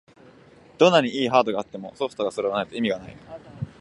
どんなに良いハードがあってもソフトがそろわないと意味がない